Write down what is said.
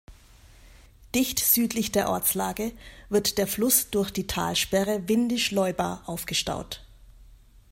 Dicht südlich der Ortslage wird der Fluss durch die Talsperre Windischleuba aufgestaut.